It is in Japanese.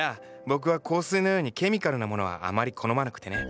僕は香水のようにケミカルなものはあまり好まなくてね。